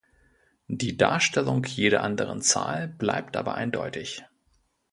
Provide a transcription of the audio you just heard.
Die Darstellung jeder anderen Zahl bleibt aber eindeutig.